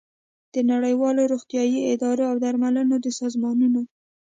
د نړیوالو روغتیايي ادارو او د درملو د سازمانونو